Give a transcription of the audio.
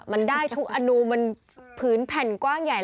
มันได้ทุกอนูมันผืนแผ่นกว้างใหญ่